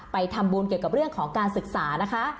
ไปทำบุญเกี่ยวกับเรื่องของการศึกษานะคะ